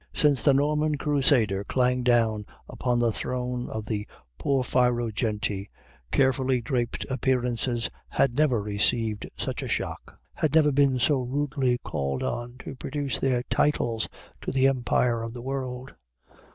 Since the Norman crusader clanged down upon the throne of the porphyrogeniti, carefully draped appearances had never received such a shock, had never been so rudely called on to produce their titles to the empire of the world.